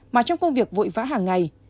mà trong công việc vội vã hàng ngày